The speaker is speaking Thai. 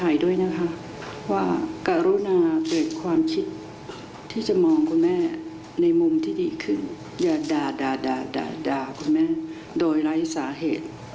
อย่าด่าคุณแม่โดยไร้สาเหตุ